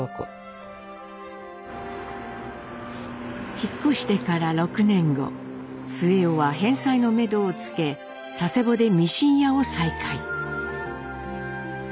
引っ越してから６年後末男は返済のめどをつけ佐世保でミシン屋を再開。